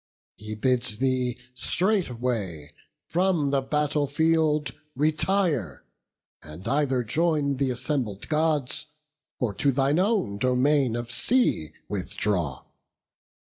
He bids thee straightway from the battle field Retire, and either join th' assembled Gods, Or to thine own domain of sea withdraw.